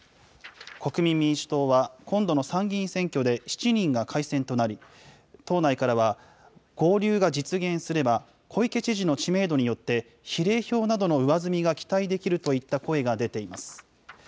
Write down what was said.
国民民主党は今度の参議院選挙で７人が改選となり、党内からは、合流が実現すれば、小池知事の知名度によって、比例票などの上積みが期待できるといった声が出ています。